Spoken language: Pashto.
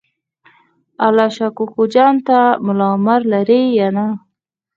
الله شا کوکو جان ته ملا عمر لرې یا نه؟